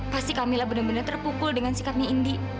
pasti kamila bener bener terpukul dengan sikapnya indi